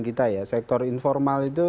kita ya sektor informal itu